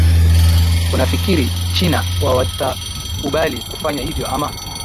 unafikiri china wa watakubali kufanya hivyo ama